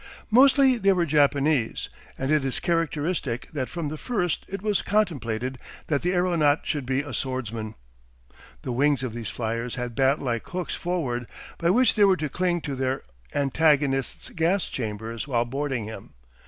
Mostly they were Japanese, and it is characteristic that from the first it was contemplated that the aeronaut should be a swordsman. The wings of these flyers had bat like hooks forward, by which they were to cling to their antagonist's gas chambers while boarding him.